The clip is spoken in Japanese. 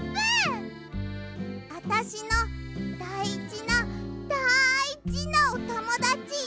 あたしのだいじなだいじなおともだち。